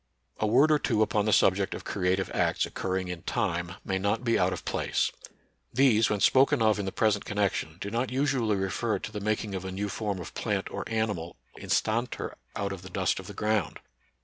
A word or two upon the subject of creative acts occurring in time may not be out of place. These, when spoken of in the present connec tion, do not usually refer to the making of a new form of plant or animal instanter out of the dust of the ground.